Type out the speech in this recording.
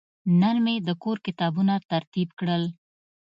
نن مې د کور کتابونه ترتیب کړل.